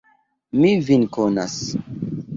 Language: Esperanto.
Mi vin konas.